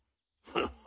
ハハ。